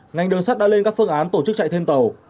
ngành nội sát đã lên các phương án tổ chức chạy thêm tẩu